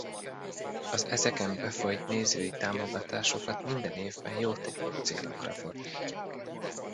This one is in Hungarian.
Az ezeken befolyt nézői támogatásokat minden évben jótékony célokra fordítja.